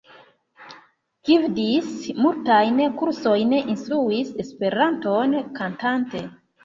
Gvidis multajn kursojn; instruis Esperanton kantante.